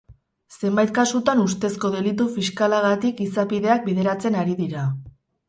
Zenbait kasutan ustezko delitu fiskalagatik izapideak bideratzen ari dira.